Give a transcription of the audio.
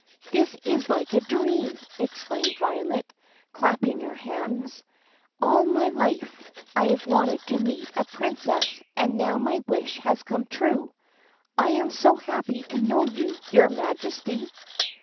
"This is like a dream!" exclaimed Violet clapping her hands. "All my life I have wanted to meet a princess and now my wish has come true! I am so happy to know you, your Majesty!"